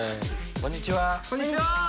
こんにちは。